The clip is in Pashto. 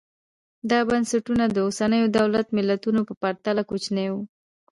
دا بنسټونه د اوسنیو دولت ملتونو په پرتله کوچني وو